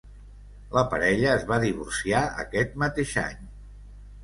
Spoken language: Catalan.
La parella es va divorciar aquest mateix any.